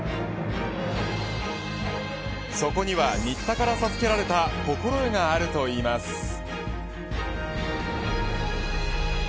そこには、新田から授けられた心得があるといいます。